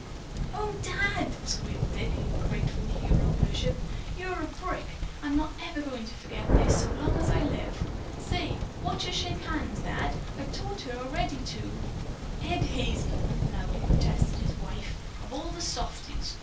"Oh, Dad!" squealed Dick in grateful heroworship. "You're a brick! I'm not ever going to forget this, so long as I live. Say, watch her shake hands, Dad! I've taught her, already, to " "Ed Hazen!" loudly protested his wife. "Of all the softies!